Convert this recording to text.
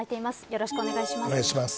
よろしくお願いします。